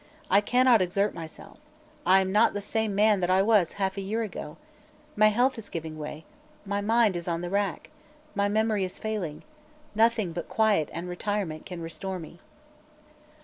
I cannot exert myself. I am not the same man that I was half a year ago. My health is giving way. My mind is on the rack. My memory is failing. Nothing but quiet and retirement can restore me."